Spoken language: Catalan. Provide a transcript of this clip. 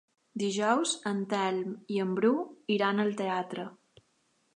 Dijous en Telm i en Bru iran al teatre.